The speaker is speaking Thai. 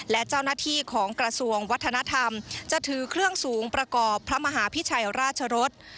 และเจ้าหน้าที่ของกระทรวงวัฒนธรรมจะถือเครื่องสูงประกอบพระมหาพิชัยราชรส